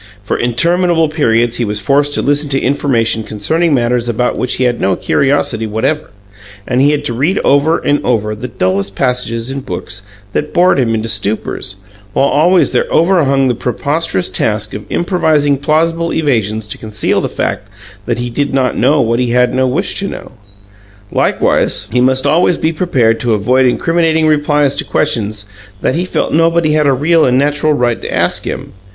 For interminable periods he was forced to listen to information concerning matters about which he had no curiosity whatever; and he had to read over and over the dullest passages in books that bored him into stupors, while always there overhung the preposterous task of improvising plausible evasions to conceal the fact that he did not know what he had no wish to know. Likewise, he must always be prepared to avoid incriminating replies to questions that he felt nobody had a real and natural right to ask him.